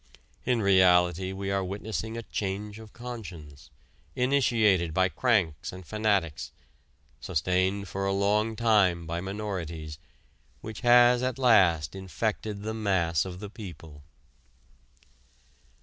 In reality we are witnessing a change of conscience, initiated by cranks and fanatics, sustained for a long time by minorities, which has at last infected the mass of the people.